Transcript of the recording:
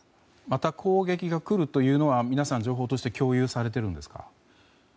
また攻撃が来るというのは皆さん、情報として共有されてるんですか？